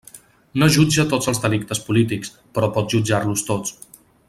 No jutja tots els delictes polítics, però pot jutjar-los tots.